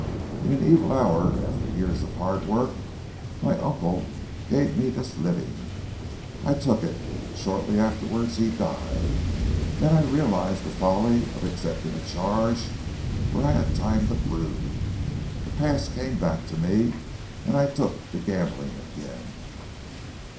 In an evil hour after years of hard work my uncle gave me this living. I took it. Shortly afterwards he died. Then I realised the folly of accepting a charge where I had time to brood. The past came back to me, and I took to gambling again.